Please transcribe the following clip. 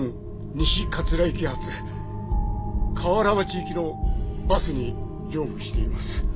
西桂駅発河原町行きのバスに乗務しています。